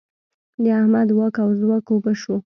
د احمد واک او ځواک اوبه شو.